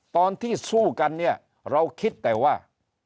ตอนที่สู้กันเราคิดแต่ว่า